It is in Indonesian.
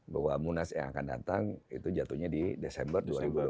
bahwa munas yang akan datang itu jatuhnya di desember dua ribu dua puluh empat